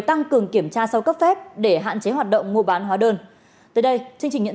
tăng cường kiểm tra sau cấp phép để hạn chế hoạt động mua bán hóa đơn tới đây chương trình nhận